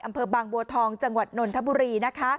อำเภอบางบัวทองจังหวัดนนทบุรี